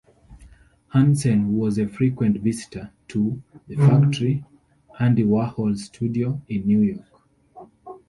Hansen was a frequent visitor to "The Factory", Andy Warhol's studio in New York.